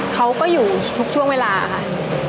เขาก็อยู่ทุกช่วงเวลาค่ะ